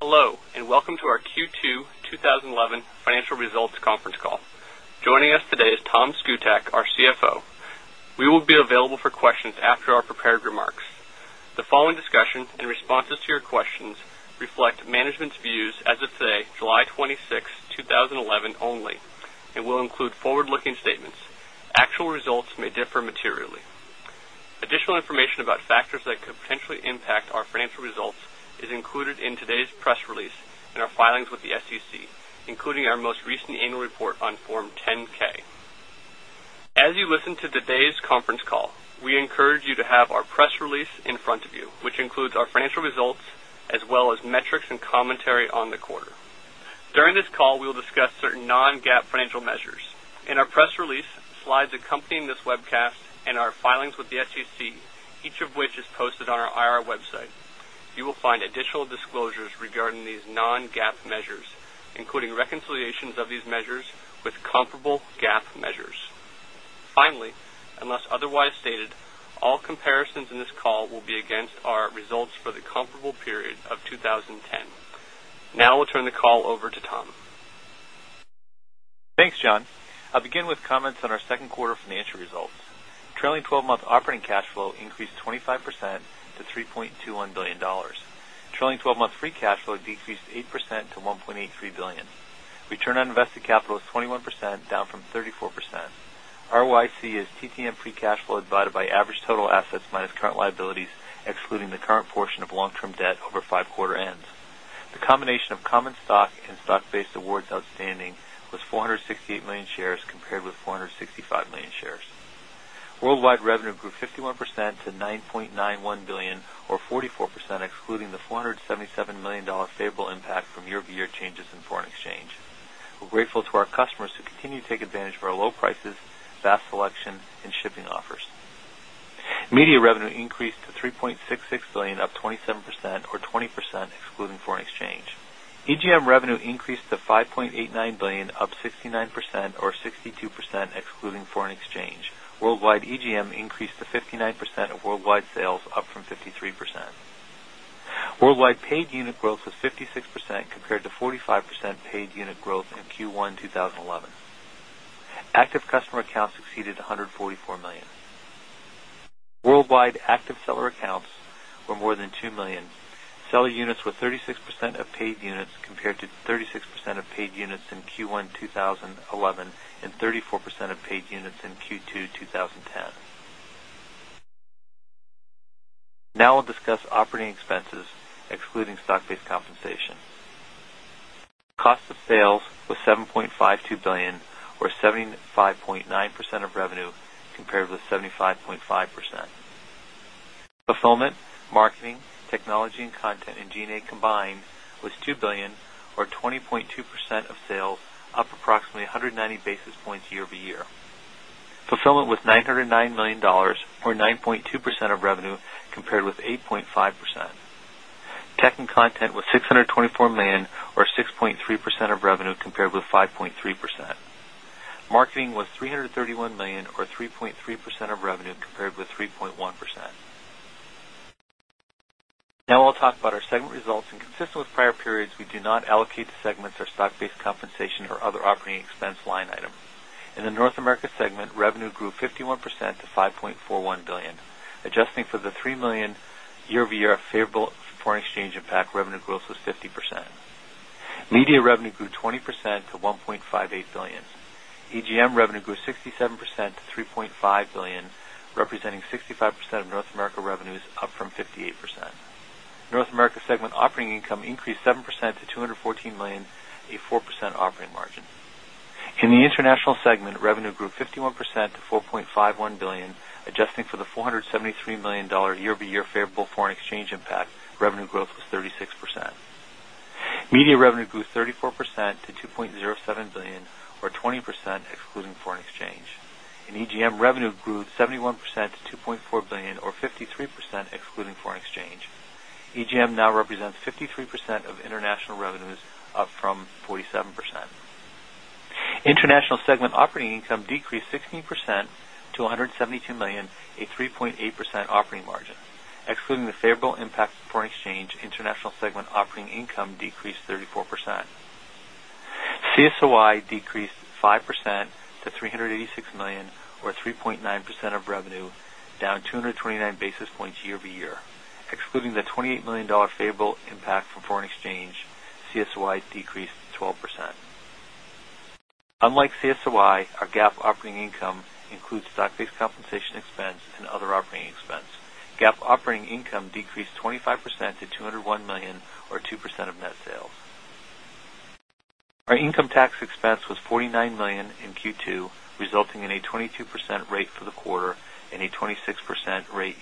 Hello, and welcome to our Q2 2011 Financial Results Conference Call. Joining us today is Tom Szkutak, our CFO. We will be available for questions after our prepared remarks. The following discussions and responses to your questions reflect management's views as of today, July 26, 2011 only, and will include forward-looking statements. Actual results may differ materially. Additional information about factors that could potentially impact our financial results is included in today's press release and our filings with the SEC, including our most recent annual report on Form 10-K. As you listen to today's conference call, we encourage you to have our press release in front of you, which includes our financial results as well as metrics and commentary on the quarter. During this call, we will discuss certain non-GAAP financial measures. In our press release, slides accompanying this webcast and our filings with the SEC, each of which is posted on our IR website, you will find additional disclosures regarding these non-GAAP measures, including reconciliations of these measures with comparable GAAP measures. Finally, unless otherwise stated, all comparisons in this call will be against our results for the comparable period of 2010. Now, we'll turn the call over to Tom. Thanks, John. I'll begin with comments on our second quarter financial results. Trailing 12-month operating cash flow increased 25% to $3.21 billion. Trailing 12-month free cash flow decreased 8% to $1.83 billion. Return on invested capital is 21%, down from 34%. ROIC is TTM free cash flow divided by average total assets minus current liabilities, excluding the current portion of long-term debt over five quarter ends. The combination of common stock and stock-based awards outstanding was 468 million shares compared with 465 million shares. Worldwide revenue grew 51% to $9.91 billion, or 44% excluding the $477 million favorable impact from year-over-year changes in foreign exchange. We're grateful to our customers who continue to take advantage of our low prices, fast selection, and shipping offers. Media revenue increased to $3.66 billion, up 27%, or 20% excluding foreign exchange. EGM revenue increased to $5.89 billion, up 69%, or 62% excluding foreign exchange. Worldwide EGM increased to 59% of worldwide sales, up from 53%. Worldwide paid unit growth was 56% compared to 45% paid unit growth in Q1 2011. Active customer accounts exceeded 144 million. Worldwide active seller accounts were more than 2 million. Seller units were 36% of paid units compared to 36% of paid units in Q1 2011 and 34% of paid units in Q2 2010. Now, we'll discuss operating expenses, excluding stock-based compensation. Cost of sales was $7.52 billion, or 75.9% of revenue compared with 75.5%. Fulfillment, marketing, technology, and content and G&A combined was $2 billion, or 20.2% of sales, up approximately 190 basis points year-over-year. Fulfillment was $909 million, or 9.2% of revenue compared with 8.5%. Tech and content was $624 million, or 6.3% of revenue compared with 5.3%. Marketing was $331 million, or 3.3% of revenue compared with 3.1%. Now, I'll talk about our segment results, and consistent with prior periods, we do not allocate to segments or stock-based compensation or other operating expense line item. In the North America segment, revenue grew 51% to $5.41 billion. Adjusting for the $3 million year-over-year favorable foreign exchange impact, revenue growth was 50%. Media revenue grew 20% to $1.58 billion. EGM revenue grew 67% to $3.5 billion, representing 65% of North America revenues, up from 58%. North America segment operating income increased 7% to $214 million, a 4% operating margin. In the international segment, revenue grew 51% to $4.51 billion. Adjusting for the $473 million year-over-year favorable foreign exchange impact, revenue growth was 36%. Media revenue grew 34% to $2.07 billion, or 20% excluding foreign exchange. In EGM, revenue grew 71% to $2.4 billion, or 53% excluding foreign exchange. EGM now represents 53% of international revenues, up from 47%. International segment operating income decreased 16% to $172 million, a 3.8% operating margin. Excluding the favorable impact of foreign exchange, international segment operating income decreased 34%. CSOI decreased 5% to $386 million, or 3.9% of revenue, down 229 basis points year-over-year. Excluding the $28 million favorable impact from foreign exchange, CSOI decreased 12%. Unlike CSOI, our GAAP operating income includes stock-based compensation expense and other operating expense. GAAP operating income decreased 25% to $201 million, or 2% of net sales. Our income tax expense was $49 million in Q2, resulting in a 22% rate for the quarter and a 26% rate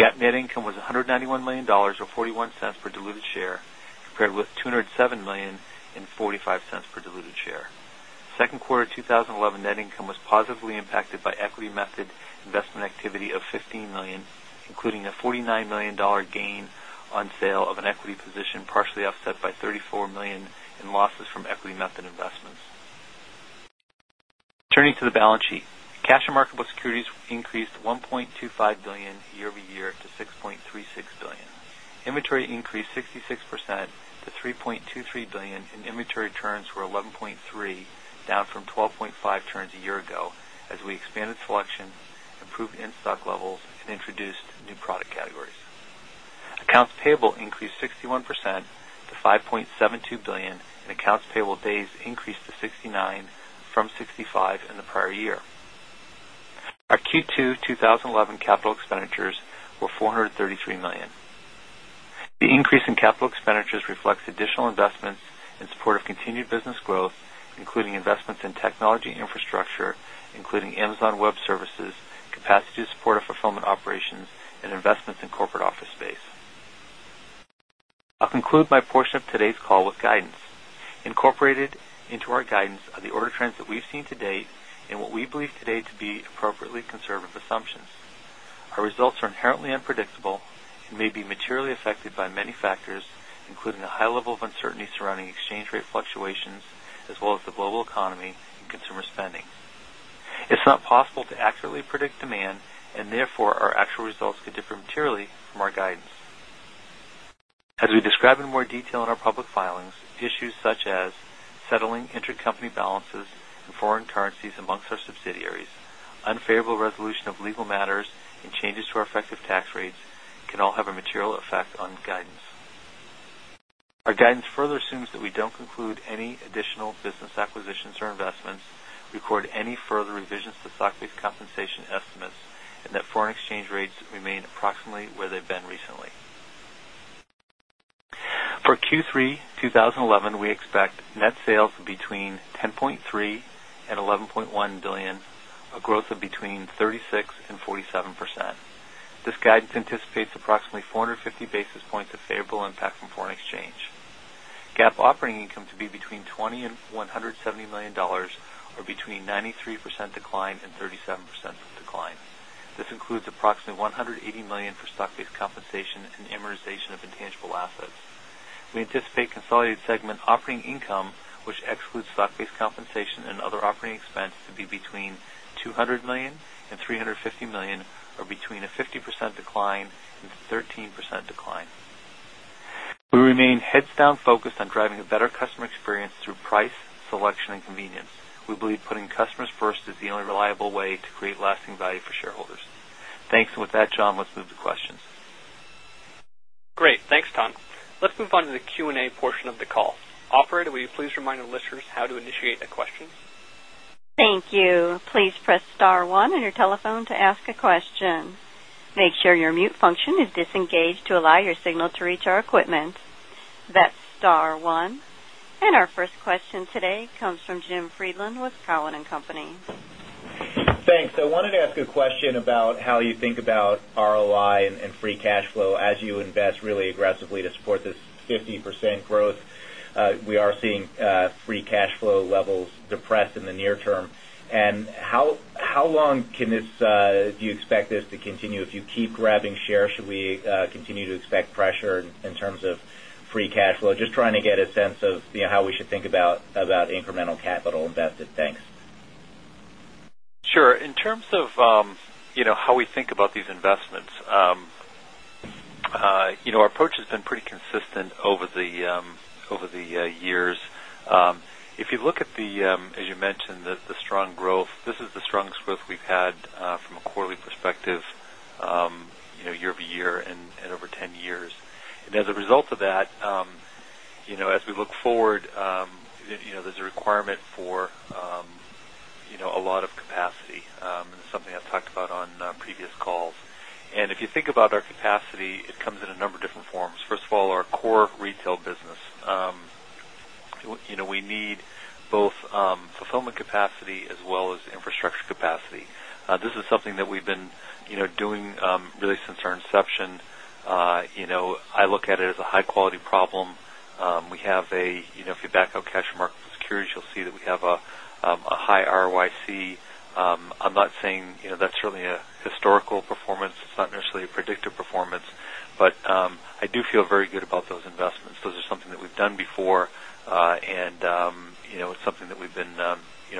year-to-date. GAAP net income was $191 million, or $0.41 per diluted share, compared with $207 million and $0.45 per diluted share. Second quarter 2011 net income was positively impacted by equity-method investment activity of $15 million, including a $49 million gain on sale of an equity position partially offset by $34 million in losses from equity-method investments. Turning to the balance sheet, cash and marketable securities increased $1.25 billion year-over-year to $6.36 billion. Inventory increased 66% to $3.23 billion, and inventory turns were 11.3, down from 12.5 turns a year ago as we expanded selection, improved in-stock levels, and introduced new product categories. Accounts payable increased 61% to $5.72 billion, and accounts payable days increased to 69 from 65 in the prior year. Our Q2 2011 capital expenditures were $433 million. The increase in capital expenditures reflects additional investments in support of continued business growth, including investments in technology infrastructure, including Amazon Web Services, capacity to support our Fulfillment operations, and investments in corporate office space. I'll conclude my portion of today's call with guidance. Incorporated into our guidance are the order trends that we've seen to date and what we believe today to be appropriately conservative assumptions. Our results are inherently unpredictable and may be materially affected by many factors, including a high level of uncertainty surrounding exchange rate fluctuations, as well as the global economy and consumer spendings. It's not possible to accurately predict demand, and therefore our actual results could differ materially from our guidance. As we describe in more detail in our public filings, issues such as settling intercompany balances and foreign currencies amongst our subsidiaries, unfavorable resolution of legal matters, and changes to our effective tax rates can all have a material effect on guidance. Our guidance further assumes that we don't conclude any additional business acquisitions or investments, record any further revisions to stock-based compensation estimates, and that foreign exchange rates remain approximately where they've been recently. For Q3 2011, we expect net sales of between $10.3 billion-$11.1 billion, a growth of between 36%-47%. This guidance anticipates approximately 450 basis points of favorable impact from foreign exchange. GAAP operating income to be between $20 million-$170 million, or between -93% to -37%. This includes approximately $180 million for stock-based compensation and amortization of intangible assets. We anticipate consolidated segment operating income, which excludes stock-based compensation and other operating expense, to be between $200 million-$350 million, or between -50% to -13%. We remain heads-down focused on driving a better customer experience through price, selection, and convenience. We believe putting customers first is the only reliable way to create lasting value for shareholders. Thanks, and with that, John, let's move to questions. Great, thanks, Tom. Let's move on to the Q&A portion of the call. Operator, will you please remind our listeners how to initiate the questions? Thank you. Please press star one on your telephone to ask a question. Make sure your mute function is disengaged to allow your signal to reach our equipment. That's star one. Our first question today comes from Jim Friedland with Cowen & Company. Thanks. I wanted to ask a question about how you think about ROI and free cash flow as you invest really aggressively to support this 50% growth. We are seeing free cash flow levels depressed in the near term. How long can this, do you expect this to continue? If you keep grabbing shares, should we continue to expect pressure in terms of free cash flow? Just trying to get a sense of how we should think about incremental capital invested. Thanks. Sure. In terms of how we think about these investments, our approach has been pretty consistent over the years. If you look at the, as you mentioned, the strong growth, this is the strongest growth we've had from a quarterly perspective, year-over-year and over 10 years. As a result of that, as we look forward, there's a requirement for a lot of capacity. It's something I've talked about on previous calls. If you think about our capacity, it comes in a number of different forms. First of all, our core retail business. We need both Fulfillment capacity as well as infrastructure capacity. This is something that we've been doing really since our inception. I look at it as a high-quality problem. If you back out cash and marketable securities, you'll see that we have a high ROIC. I'm not saying that's certainly a historical performance. It's not necessarily a predictive performance. I do feel very good about those investments. Those are something that we've done before. It's something that we've been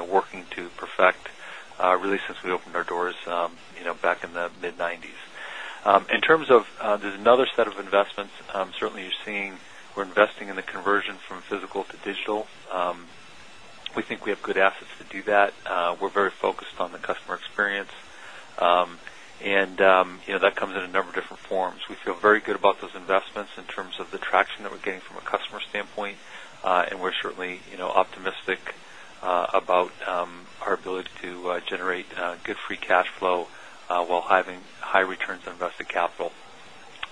working to perfect really since we opened our doors back in the mid-1990s. In terms of, there's another set of investments. Certainly, you're seeing we're investing in the conversion from physical to digital. We think we have good assets to do that. We're very focused on the customer experience, and that comes in a number of different forms. We feel very good about those investments in terms of the traction that we're getting from a customer standpoint. We're certainly optimistic about our ability to generate good free cash flow while having high returns on invested capital.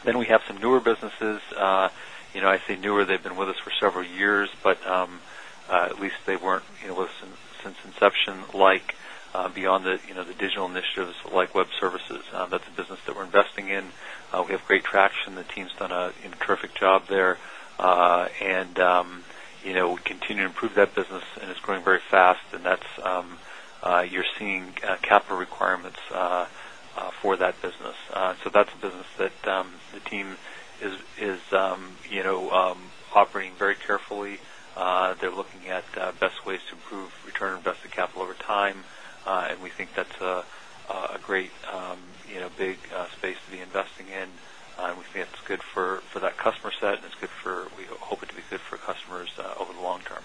We have some newer businesses. I say newer, they've been with us for several years, but at least they weren't with us since inception. Beyond the digital initiatives like Amazon Web Services, that's a business that we're investing in. We have great traction. The team's done a terrific job there. We continue to improve that business, and it's growing very fast. You're seeing capital requirements for that business. That's a business that the team is operating very carefully. They're looking at best ways to improve return on invested capital over time. We think that's a great, big space to be investing in. We think it's good for that customer set, and we hope it to be good for customers over the long term.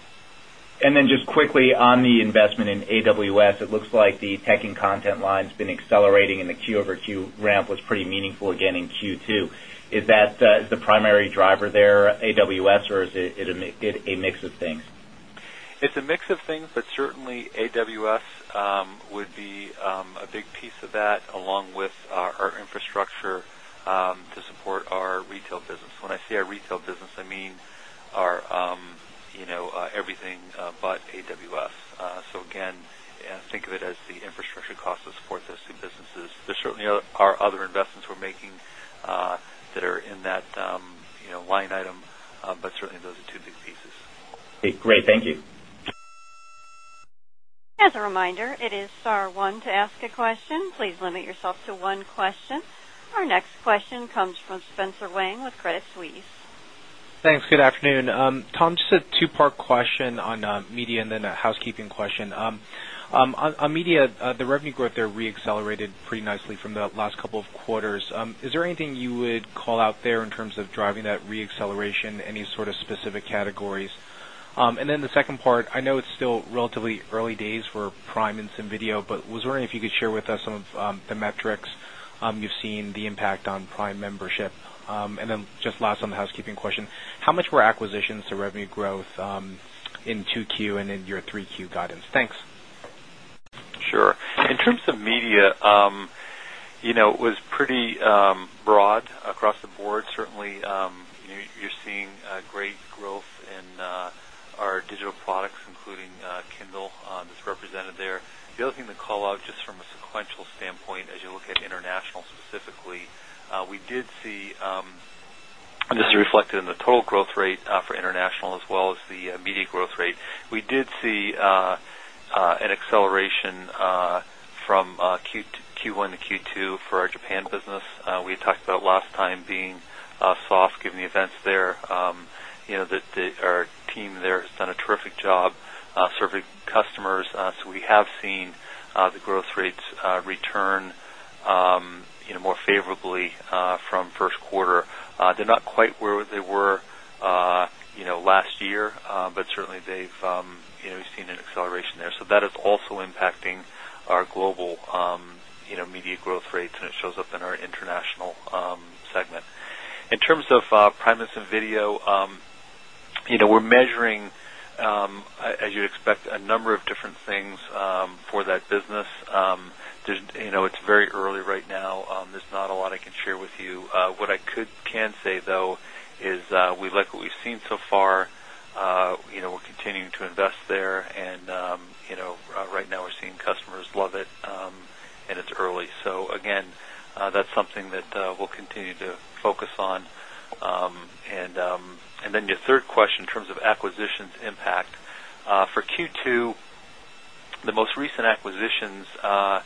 Just quickly on the investment in AWS, it looks like the tech and content line's been accelerating. The Q-over-Q ramp was pretty meaningful again in Q2. Is that the primary driver there, AWS, or is it a mix of things? It's a mix of things, but certainly AWS would be a big piece of that, along with our infrastructure to support our retail business. When I say our retail business, I mean everything but AWS. Again, think of it as the infrastructure cost to support those two businesses. There certainly are other investments we're making that are in that line item. Certainly, those are two big pieces. Great, thank you. As a reminder, it is star one to ask a question. Please limit yourself to one question. Our next question comes from Spencer Wang with Credit Suisse. Thanks. Good afternoon. Tom, just had a two-part question on media and then a housekeeping question. On media, the revenue growth there reaccelerated pretty nicely from the last couple of quarters. Is there anything you would call out there in terms of driving that reacceleration, any sort of specific categories? The second part, I know it's still relatively early days. We're Prime Instant Video, but I was wondering if you could share with us some of the metrics you've seen, the impact on Prime membership. Just last on the housekeeping question, how much were acquisitions to revenue growth in Q2 and in your Q3 guidance? Thanks. Sure. In terms of media, it was pretty broad across the board. Certainly, you're seeing great growth in our digital products, including Kindle, that's represented there. The other thing to call out just from a sequential standpoint, as you look at international specifically, we did see, and this is reflected in the total growth rate for international as well as the media growth rate, we did see an acceleration from Q1 to Q2 for our Japan business. We had talked about last time being soft, given the events there. Our team there has done a terrific job serving customers. We have seen the growth rates return more favorably from first quarter. They're not quite where they were last year, but certainly we've seen an acceleration there. That is also impacting our global media growth rates, and it shows up in our international segment. In terms of Prime Instant Video, we're measuring, as you'd expect, a number of different things for that business. It's very early right now. There's not a lot I can share with you. What I can say, though, is we like what we've seen so far. We're continuing to invest there. Right now, we're seeing customers love it, and it's early. That's something that we'll continue to focus on. Your third question in terms of acquisitions impact. For Q2, the most recent acquisitions for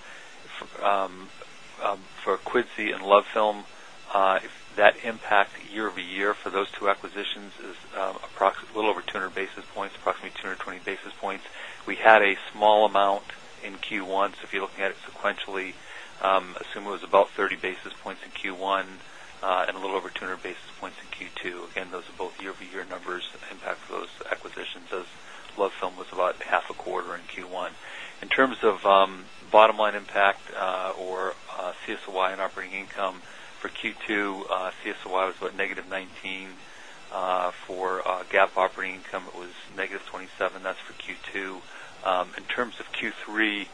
Quidsi and LoveFilm, that impact year-over-year for those two acquisitions is a little over 200 basis points, approximately 220 basis points. We had a small amount in Q1. If you're looking at it sequentially, assume it was about 30 basis points in Q1 and a little over 200 basis points in Q2. Those are both year-over-year numbers impact for those acquisitions, as LoveFilm was about half a quarter in Q1. In terms of bottom line impact or CSOI in operating income, for Q2, CSOI was about -19. For GAAP operating income, it was -27. That's for Q2. In terms of Q3,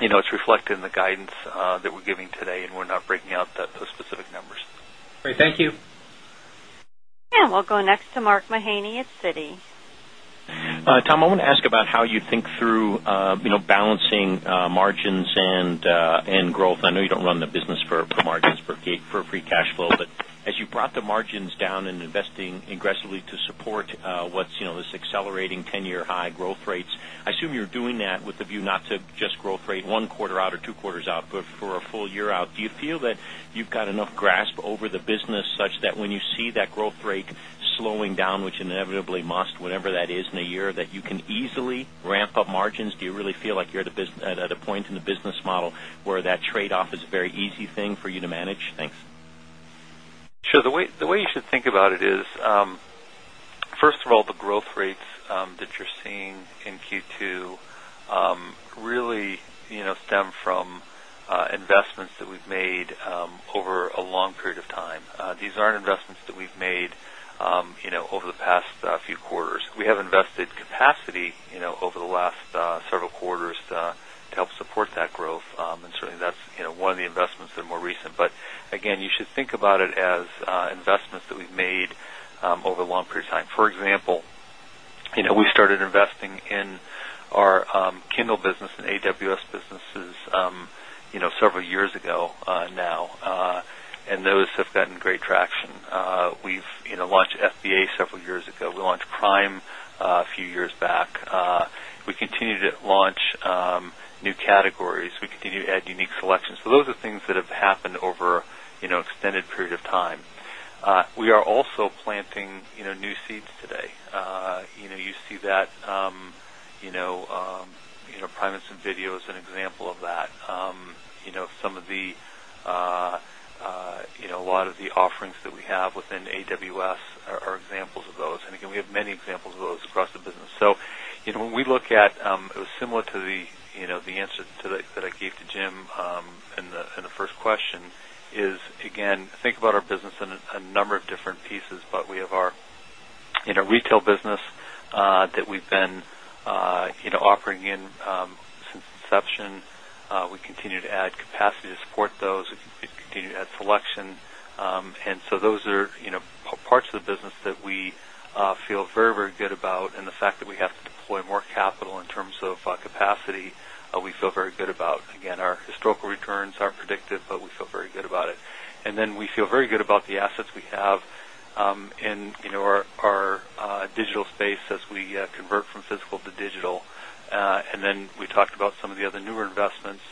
it's reflected in the guidance that we're giving today, and we're not breaking out those specific numbers. Great, thank you. Yeah. We'll go next to Mark Mahaney at Citi. Tom, I want to ask about how you think through balancing margins and growth. I know you don't run the business for margins or free cash flow. As you brought the margins down and are investing aggressively to support what's this accelerating 10-year high growth rates, I assume you're doing that with a view not to just growth rate one quarter out or two quarters out, but for a full year out. Do you feel that you've got enough grasp over the business such that when you see that growth rate slowing down, which inevitably must, whatever that is, in a year, that you can easily ramp up margins? Do you really feel like you're at a point in the business model where that trade-off is a very easy thing for you to manage? Thanks. Sure. The way you should think about it is, first of all, the growth rates that you're seeing in Q2 really stem from investments that we've made over a long period of time. These aren't investments that we've made over the past few quarters. We have invested capacity over the last several quarters to help support that growth. Certainly, that's one of the investments that are more recent. Again, you should think about it as investments that we've made over a long period of time. For example, we started investing in our Kindle business and AWS businesses several years ago now, and those have gotten great traction. We've launched FBA several years ago. We launched Prime a few years back. We continue to launch new categories. We continue to add unique selections. Those are things that have happened over an extended period of time. We are also planting new seeds today. You see that Prime Instant Video is an example of that. A lot of the offerings that we have within AWS are examples of those. We have many examples of those across the business. When we look at it, it was similar to the answer that I gave to Jim in the first question. Again, think about our business in a number of different pieces. We have our retail business that we've been operating in since inception. We continue to add capacity to support those. We continue to add selection. Those are parts of the business that we feel very, very good about. The fact that we have to deploy more capital in terms of capacity, we feel very good about. Our historical returns aren't predictive, but we feel very good about it. We feel very good about the assets we have in our digital space as we convert from physical to digital. We talked about some of the other newer investments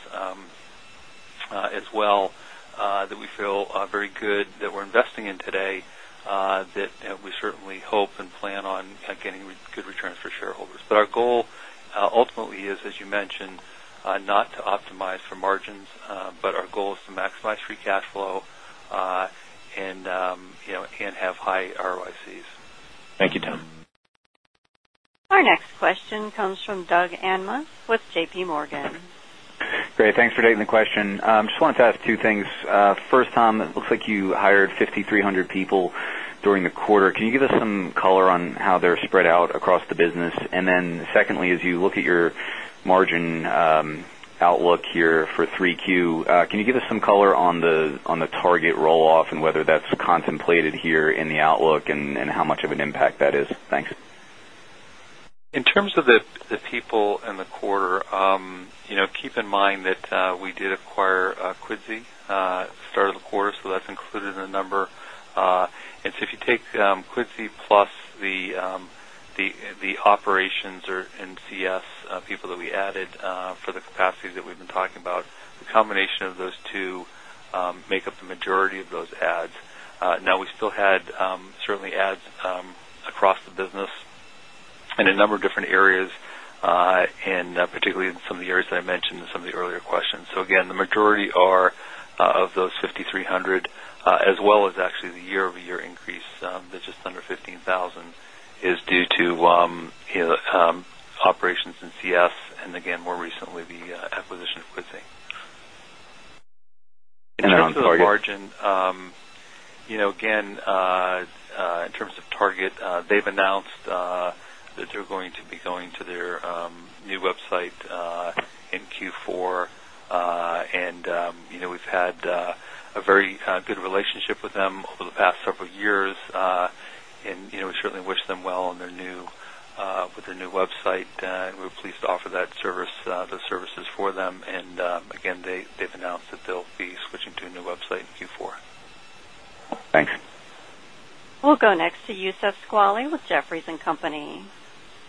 as well that we feel very good that we're investing in today, that we certainly hope and plan on getting good returns for shareholders. Our goal ultimately is, as you mentioned, not to optimize for margins, but our goal is to maximize free cash flow and have high ROICs. Thank you, Tom. Our next question comes from Doug Anmuth with JPMorgan. Great. Thanks for taking the question. I just wanted to ask two things. First, Tom, it looks like you hired 5,300 people during the quarter. Can you give us some color on how they're spread out across the business? Secondly, as you look at your margin outlook here for Q3, can you give us some color on the target rolloff and whether that's contemplated here in the outlook and how much of an impact that is? Thanks. In terms of the people in the quarter, keep in mind that we did acquire Quidsi at the start of the quarter. That's included in the number. If you take Quidsi plus the operations in CS people that we added for the capacity that we've been talking about, a combination of those two make up the majority of those ads. We still had certainly ads across the business in a number of different areas, particularly in some of the areas that I mentioned in some of the earlier questions. The majority of those 5,300, as well as actually the year-over-year increase that's just under 15,000, is due to operations and CS, and more recently the acquisition of Quidsi. On target. In terms of margin, in terms of target, they've announced that they're going to be going to their new website in Q4. We've had a very good relationship with them over the past several years. We certainly wish them well with their new website, and we're pleased to offer those services for them. They've announced that they'll be switching to a new website in Q4. Thanks. We'll go next to Youssef Squali with Jefferies & Company.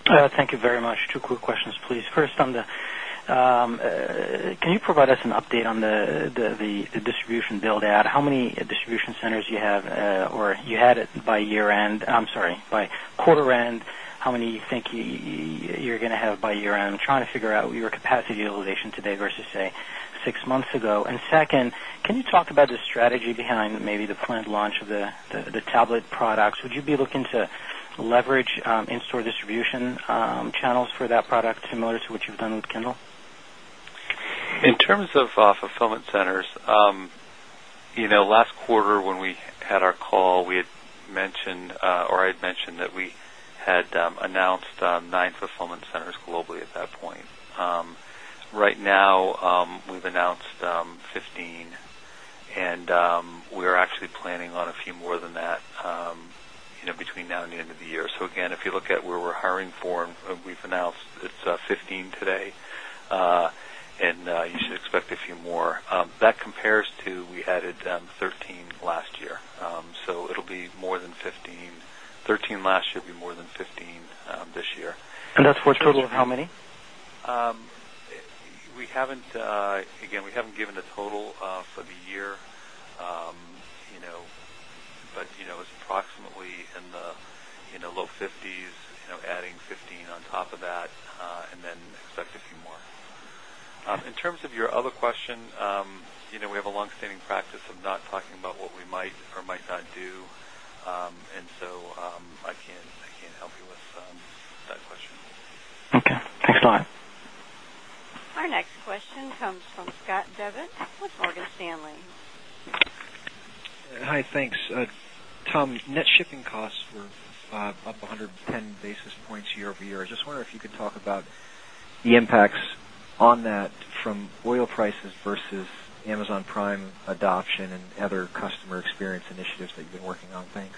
Thank you very much. Two quick questions, please. First, can you provide us an update on the distribution build-out, how many distribution centers you have, or you had by quarter-end? How many do you think you're going to have by year-end? I'm trying to figure out your capacity utilization today versus, say, six months ago. Second, can you talk about the strategy behind maybe the planned launch of the tablet products? Would you be looking to leverage in-store distribution channels for that product, similar to what you've done with Kindle? In terms of Fulfillment centers, last quarter when we had our call, I had mentioned that we had announced 9 Fulfillment centers globally at that point. Right now, we've announced 15, and we are actually planning on a few more than that between now and the end of the year. If you look at where we're hiring for, and we've announced it's 15 today. You should expect a few more. That compares to we added 13 last year. It will be more than 15. 13 last year will be more than 15 this year. That's for a total of how many? Again, we haven't given a total for the year. You know it's approximately in the low 50s, adding 15 on top of that, and then expect a few more. In terms of your other question, we have a longstanding practice of not talking about what we might or might not do. I can't help you with that question. Okay, thanks a lot. Our next question comes from Scott Devitt with Morgan Stanley. Hi. Thanks. Tom, net shipping costs were up 110 basis points year-over-year. I was just wondering if you could talk about the impacts on that from oil prices versus Amazon Prime adoption and other customer experience initiatives that you've been working on. Thanks.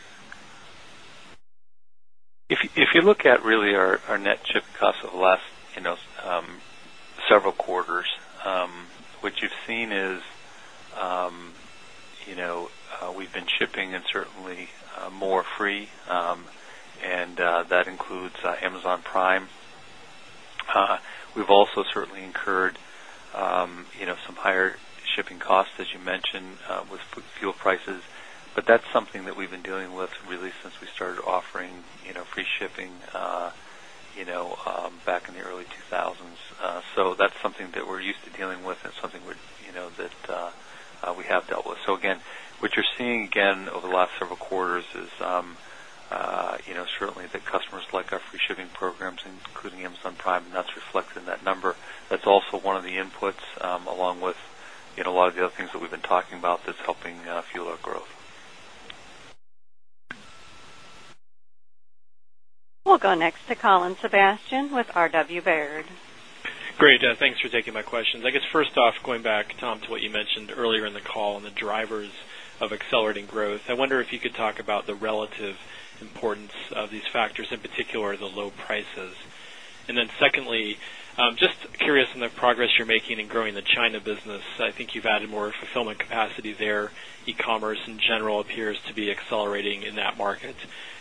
If you look at really our net shipping costs over the last several quarters, what you've seen is we've been shipping certainly more free, and that includes Amazon Prime. We've also certainly incurred some higher shipping costs, as you mentioned, with fuel prices. That's something that we've been dealing with really since we started offering free shipping back in the early 2000s. That's something that we're used to dealing with, and it's something that we have dealt with. What you're seeing again over the last several quarters is certainly that customers like our free shipping programs, including Amazon Prime, and that's reflected in that number. That's also one of the inputs, along with a lot of the other things that we've been talking about, that's helping fuel our growth. We'll go next to Colin Sebastian with Baird. Great. Thanks for taking my questions. I guess first off, going back, Tom, to what you mentioned earlier in the call and the drivers of accelerating growth, I wonder if you could talk about the relative importance of these factors, in particular the low prices. Secondly, just curious on the progress you're making in growing the China business. I think you've added more Fulfillment capacity there. E-commerce in general appears to be accelerating in that market.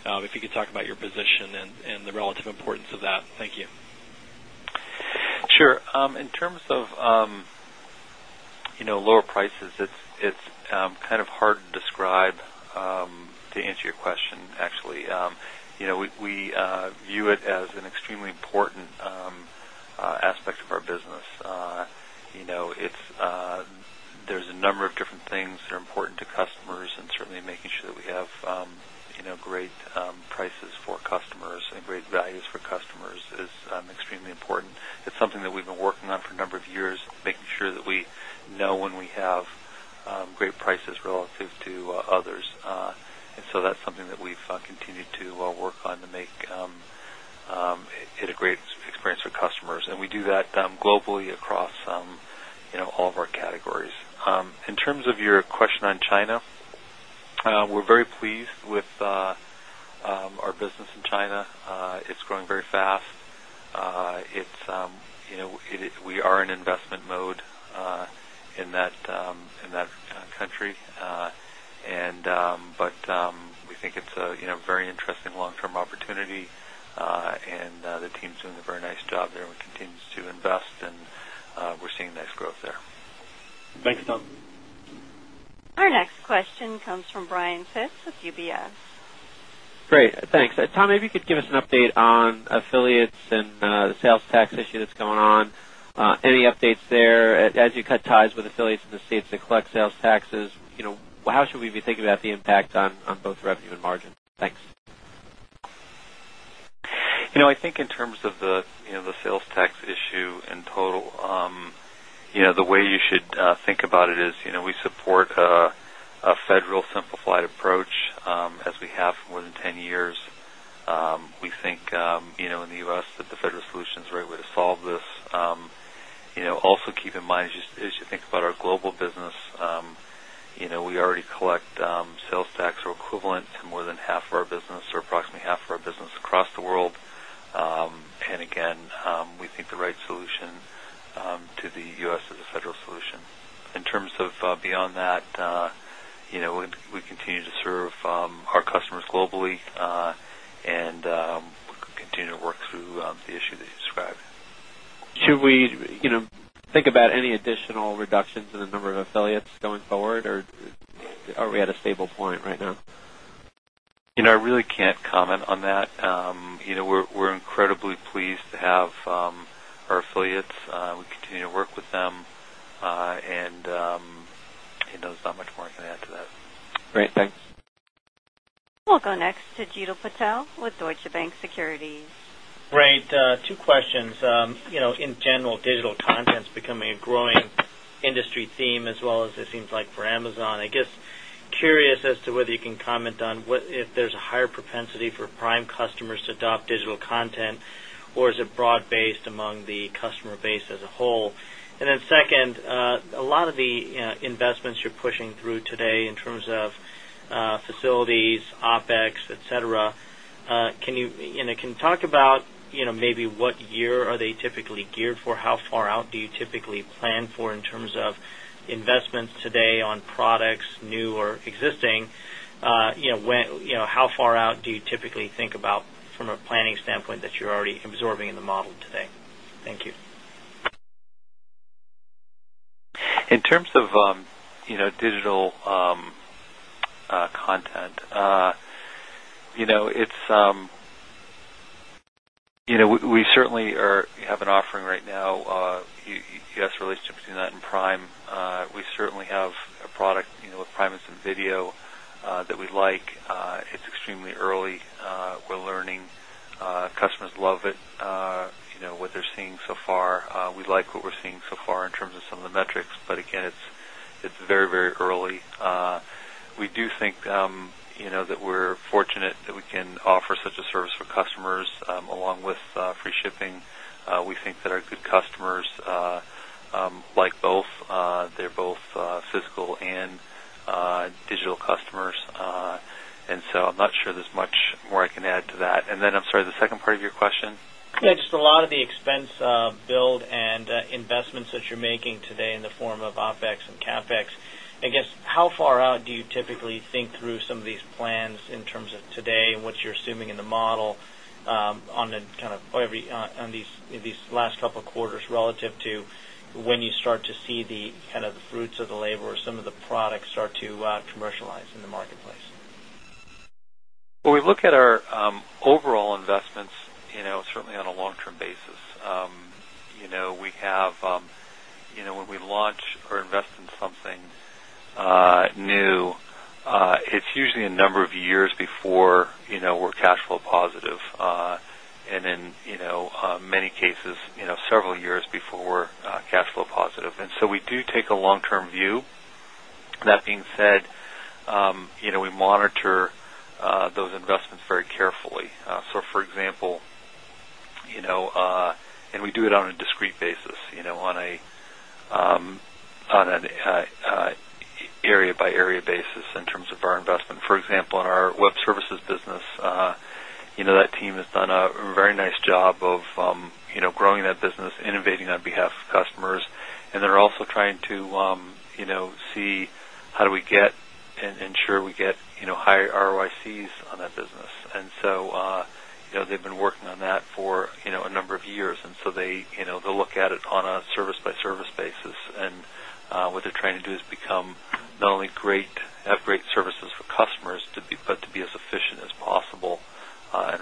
If you could talk about your position and the relative importance of that. Thank you. Sure. In terms of lower prices, it's kind of hard to describe to answer your question, actually. We view it as an extremely important aspect of our business. There's a number of different things that are important to customers. Certainly, making sure that we have great prices for customers and great values for customers is extremely important. It's something that we've been working on for a number of years, making sure that we know when we have great prices relative to others. That's something that we've continued to work on to make it a great experience for customers. We do that globally across all of our categories. In terms of your question on China, we're very pleased with our business in China. It's growing very fast. We are in investment mode in that country. We think it's a very interesting long-term opportunity. The team's doing a very nice job there. We continue to invest, and we're seeing nice growth there. Thanks, Tom. Our next question comes from Brian Pitz with UBS. Great. Thanks. Tom, maybe you could give us an update on affiliates and the sales tax issue that's going on. Any updates there? As you cut ties with affiliates in the States that collect sales taxes, how should we be thinking about the impact on both revenue and margin? Thanks. I think in terms of the sales tax issue in total, the way you should think about it is we support a federal simplified approach as we have for more than 10 years. We think in the U.S. that the federal solution is the right way to solve this. Also, keep in mind, as you think about our global business, we already collect sales tax or equivalent to more than half of our business or approximately half of our business across the world. We think the right solution to the U.S. is a federal solution. In terms of beyond that, we continue to serve our customers globally and continue to work through the issue that you described. Should we think about any additional reductions in the number of affiliate relationships going forward, or are we at a stable point right now? I really can't comment on that. We're incredibly pleased to have our affiliates. We continue to work with them. There's not much more I can add to that. Great. Thanks. We'll go next to Jeetil Patel with Deutsche Bank. Right. Two questions. In general, digital content's becoming a growing industry theme, as well as it seems like for Amazon. I guess curious as to whether you can comment on if there's a higher propensity for Prime customers to adopt digital content, or is it broad-based among the customer base as a whole? Second, a lot of the investments you're pushing through today in terms of facilities, OpEx, etc., can you talk about maybe what year are they typically geared for? How far out do you typically plan for in terms of investments today on products, new or existing? How far out do you typically think about from a planning standpoint that you're already absorbing in the model today? Thank you. In terms of digital content, we certainly have an offering right now. You asked the relationship between that and Prime. We certainly have a product with Prime Instant video that we like. It's extremely early. We're learning. Customers love it, what they're seeing so far. We like what we're seeing so far in terms of some of the metrics. It is very, very early. We do think that we're fortunate that we can offer such a service for customers along with free shipping. We think that our good customers like both. They're both physical and digital customers. I'm not sure there's much more I can add to that. I'm sorry, the second part of your question? Just a lot of the expense build and investments that you're making today in the form of OpEx and CapEx. I guess how far out do you typically think through some of these plans in terms of today and what you're assuming in the model on these last couple of quarters relative to when you start to see the fruits of the labor or some of the products start to commercialize in the marketplace? When we look at our overall investments, certainly on a long-term basis, when we launch or invest in something new, it's usually a number of years before we're cash flow positive. In many cases, several years before we're cash flow positive. We do take a long-term view. That being said, we monitor those investments very carefully. For example, we do it on a discrete basis, on an area-by-area basis in terms of our investment. For example, in our Amazon Web Services business, that team has done a very nice job of growing that business, innovating on behalf of customers. They're also trying to see how do we get and ensure we get higher ROICs on that business. They've been working on that for a number of years. They'll look at it on a service-by-service basis. What they're trying to do is become not only have great services for customers, but to be as efficient as possible in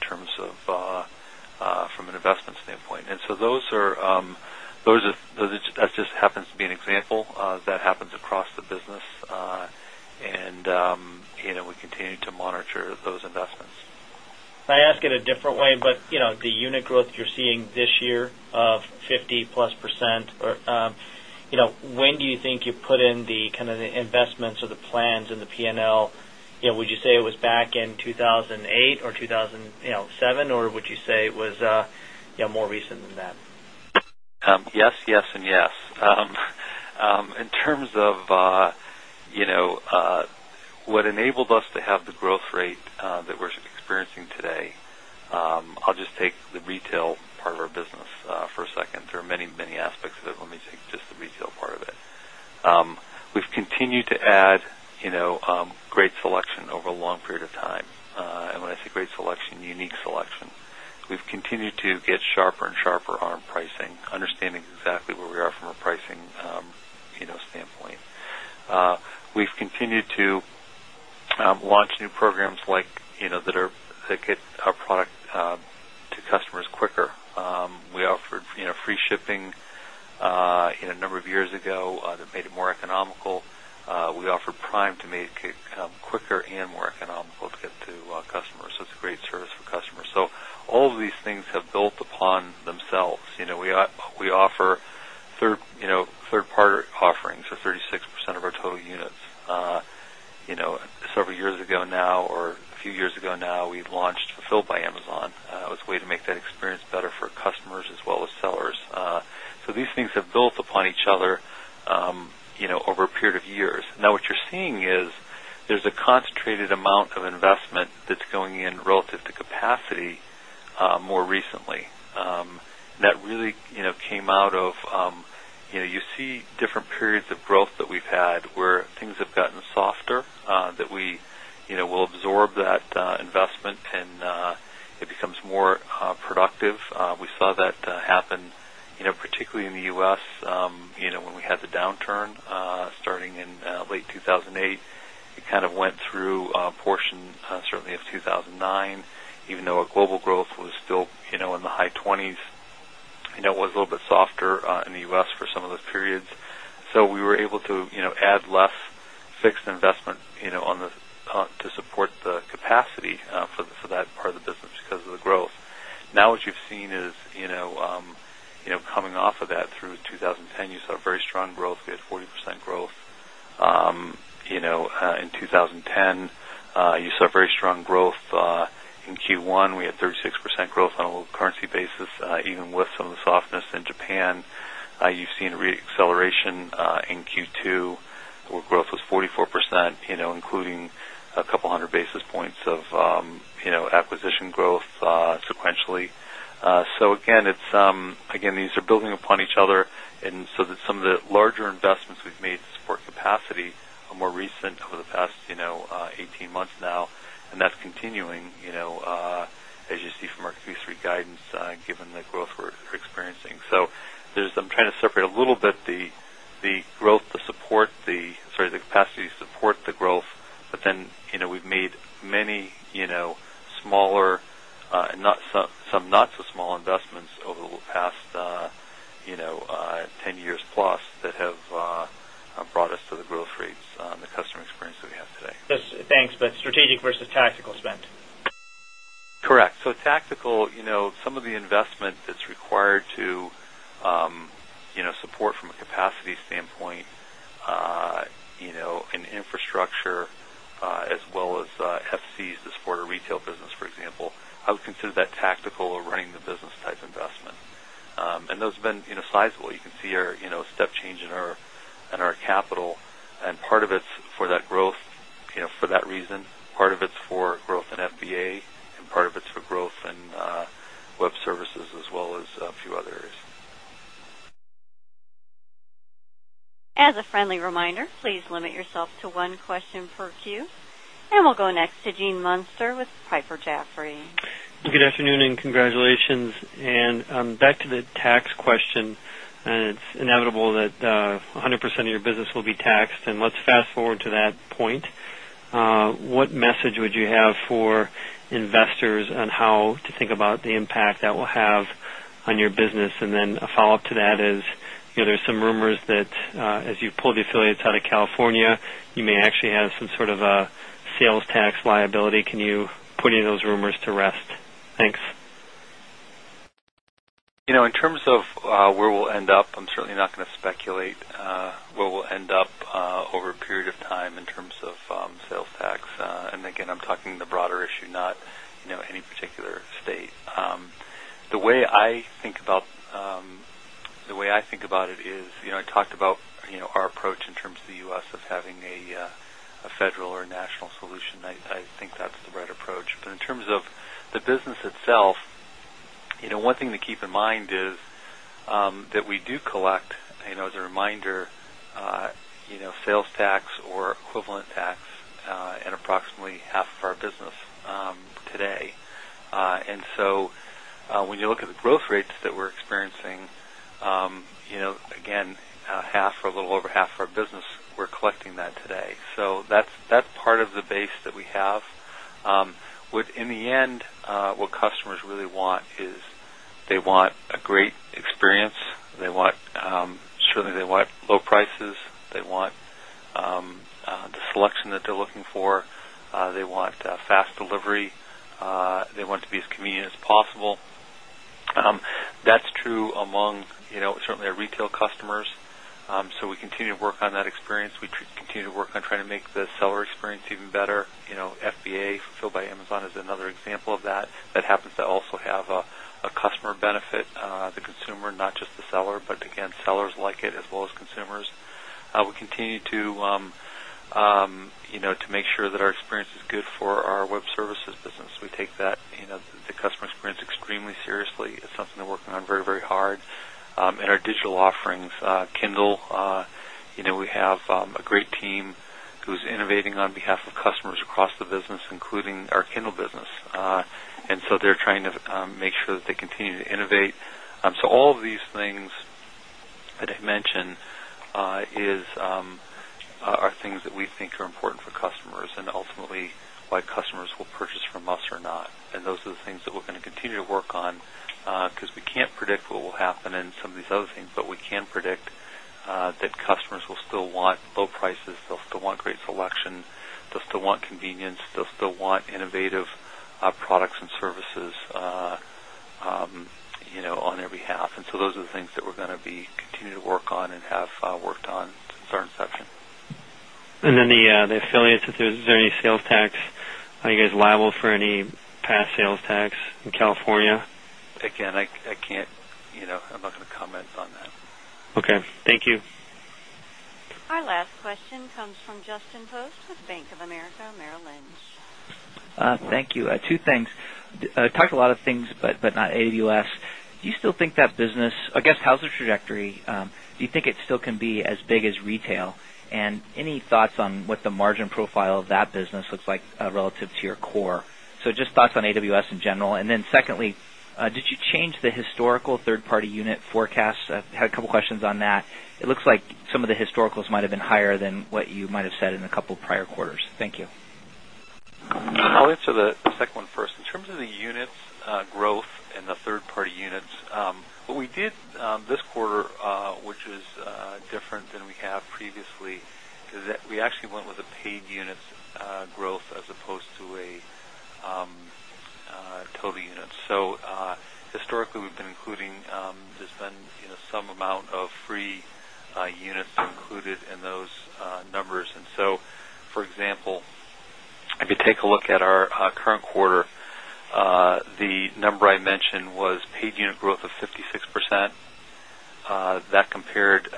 terms of from an investment standpoint. That just happens to be an example that happens across the business. We continue to monitor those investments. Can I ask it a different way? The unit growth you're seeing this year of +50%, when do you think you put in the kind of the investments or the plans and the P&L? Would you say it was back in 2008 or 2007, or would you say it was more recent than that? Yes, yes, and yes. In terms of what enabled us to have the growth rate that we're experiencing today, I'll just take the retail part of our business for a second. There are many, many aspects of it. Let me take just the retail part of it. We've continued to add great selection over a long period of time. When I say great selection, unique selection. We've continued to get sharper and sharper on pricing, understanding exactly where we are from a pricing standpoint. We've continued to launch new programs that get our product to customers quicker. We offered free shipping a number of years ago that made it more economical. We offered Prime to make it quicker and more economical to get to customers. It's a great service for customers. All of these things have built upon themselves. We offer third-party offerings, so 36% of our total units. Several years ago now, or a few years ago now, we launched Fulfillment by Amazon. It was a way to make that experience better for customers as well as sellers. These things have built upon each other over a period of years. Now, what you're seeing is there's a concentrated amount of investment that's going in relative to capacity more recently. That really came out of you see different periods of growth that we've had where things have gotten softer, that we will absorb that investment, and it becomes more productive. We saw that happen, particularly in the U.S. when we had the downturn starting in late 2008. It kind of went through a portion, certainly, of 2009, even though our global growth was still in the high 20%. It was a little bit softer in the U.S. for some of those periods. We were able to add less fixed investment to support the capacity for that part of the business because of the growth. Now, what you've seen is coming off of that through 2010, you saw very strong growth. We had 40% growth in 2010. You saw very strong growth in Q1. We had 36% growth on a low currency basis, even with some of the softness in Japan. You've seen a reacceleration in Q2 where growth was 44%, including a couple hundred basis points of acquisition growth sequentially. These are building upon each other. Some of the larger investments we've made to support capacity are more recent over the past 18 months now. That's continuing, as you see from our Q3 guidance, given the growth we're experiencing. I'm trying to separate a little bit the growth, the support, the capacity to support the growth. We've made many smaller and some not-so-small investments over the past +10 years that have brought us to the growth rates and the customer experience that we have today. Thanks. Strategic versus tactical spend. Correct. Tactical, some of the investment that's required to support from a capacity standpoint and infrastructure, as well as FCs to support our retail business, for example, I would consider that tactical or running-the-business type investment. Those have been sizable. You can see a step change in our capital. Part of it's for that growth for that reason, part of it's for growth in FBA, and part of it's for growth in Amazon Web Services, as well as a few other areas. As a friendly reminder, please limit yourself to one question per queue. We'll go next to Gene Munster with Piper Jaffray. Good afternoon and congratulations. Back to the tax question. It's inevitable that 100% of your business will be taxed. Let's fast forward to that point. What message would you have for investors on how to think about the impact that will have on your business? A follow-up to that is there's some rumors that as you pull the affiliates out of California, you may actually have some sort of a sales tax liability. Can you put any of those rumors to rest? Thanks. You know, in terms of where we'll end up, I'm certainly not going to speculate where we'll end up over a period of time in terms of sales tax. Again, I'm talking the broader issue, not any particular state. The way I think about it is I talked about our approach in terms of the U.S. of having a federal or a national solution. I think that's the right approach. In terms of the business itself, one thing to keep in mind is that we do collect, as a reminder, sales tax or equivalent tax in approximately half of our business today. When you look at the growth rates that we're experiencing, again, half or a little over half of our business, we're collecting that today. That's part of the base that we have. In the end, what customers really want is they want a great experience. Certainly, they want low prices. They want the selection that they're looking for. They want fast delivery. They want it to be as convenient as possible. That's true among certainly our retail customers. We continue to work on that experience. We continue to work on trying to make the seller experience even better. FBA, Fulfillment by Amazon, is another example of that. That happens to also have a customer benefit, the consumer, not just the seller. Sellers like it as well as consumers. We continue to make sure that our experience is good for our Amazon Web Services business. We take the customer experience extremely seriously. It's something we're working on very, very hard. In our digital offerings, Kindle, we have a great team who's innovating on behalf of customers across the business, including our Kindle business. They're trying to make sure that they continue to innovate. All of these things that I mentioned are things that we think are important for customers and ultimately why customers will purchase from us or not. Those are the things that we're going to continue to work on because we can't predict what will happen in some of these other things. We can predict that customers will still want low prices. They'll still want great selection. They'll still want convenience. They'll still want innovative products and services on their behalf. Those are the things that we're going to continue to work on and have worked on since our inception. Regarding the affiliates, is there any sales tax? Are you guys liable for any past sales tax in California? Again, I can't, you know, I'm not going to comment on that. Okay, thank you. Our last question comes from Justin Post with Bank of America Merrill Lynch. Thank you. Two things. Talked a lot of things, but not AWS. Do you still think that business, I guess, how's the trajectory? Do you think it still can be as big as retail? Any thoughts on what the margin profile of that business looks like relative to your core? Just thoughts on AWS in general. Secondly, did you change the historical third-party unit forecasts? I had a couple of questions on that. It looks like some of the historicals might have been higher than what you might have said in a couple of prior quarters. Thank you. I'll answer the second one first. In terms of the units growth and the third-party units, what we did this quarter, which was different than we have previously, is that we actually went with a paid units growth as opposed to a total unit. Historically, we've been including, there's been some amount of free units that are included in those numbers. For example, if you take a look at our current quarter, the number I mentioned was paid unit growth of 56%. That compared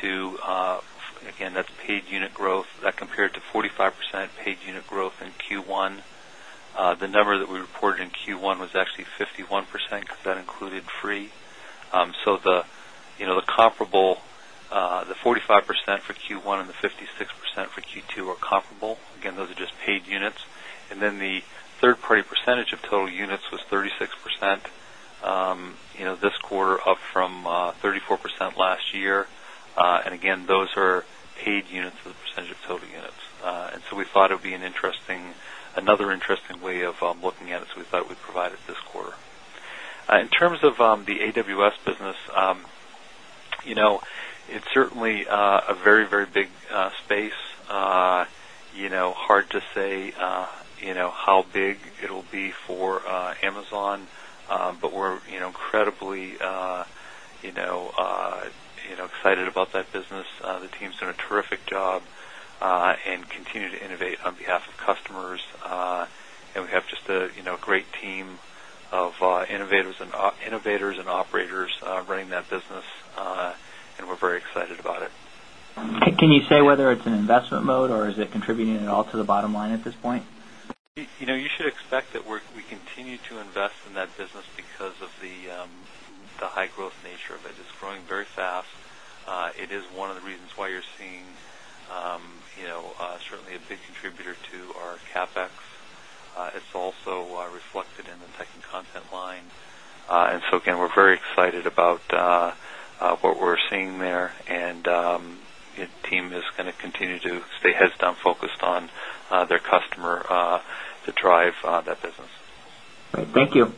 to, again, that's paid unit growth. That compared to 45% paid unit growth in Q1. The number that we reported in Q1 was actually 51% because that included free. The comparable, the 45% for Q1 and the 56% for Q2, are comparable. Those are just paid units. The third-party percentage of total units was 36% this quarter, up from 34% last year. Those are paid units of the percentage of total units. We thought it would be another interesting way of looking at it. We thought we'd provide it this quarter. In terms of the AWS business, it's certainly a very, very big space. Hard to say how big it'll be for Amazon. We're incredibly excited about that business. The team's done a terrific job and continue to innovate on behalf of customers. We have just a great team of innovators and operators running that business. We're very excited about it. Can you say whether it's in investment mode, or is it contributing at all to the bottom line at this point? You should expect that we continue to invest in that business because of the high growth nature of it. It's growing very fast. It is one of the reasons why you're seeing certainly a big contributor to our CapEx. It's also reflected in the tech and content line. We are very excited about what we're seeing there, and the team is going to continue to stay heads-down focused on their customer to drive that business. Thank you.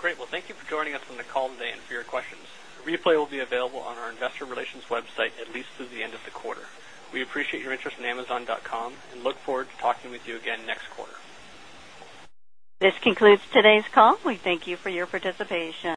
Great. Thank you for joining us on the call today and for your questions. The replay will be available on our investor relations website at least through the end of the quarter. We appreciate your interest in Amazon.com. and look forward to talking with you again next quarter. This concludes today's call. We thank you for your participation.